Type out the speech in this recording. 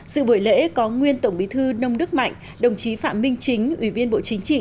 sự buổi lễ có nguyên tổng bí thư nông đức mạnh đồng chí phạm minh chính ủy viên bộ chính trị